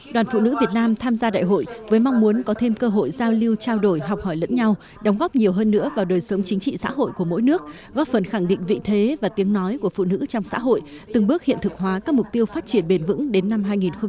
đoàn phụ nữ việt nam tham gia đại hội với mong muốn có thêm cơ hội giao lưu trao đổi học hỏi lẫn nhau đóng góp nhiều hơn nữa vào đời sống chính trị xã hội của mỗi nước góp phần khẳng định vị thế và tiếng nói của phụ nữ trong xã hội từng bước hiện thực hóa các mục tiêu phát triển bền vững đến năm hai nghìn ba mươi